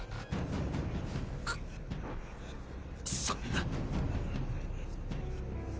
そんな。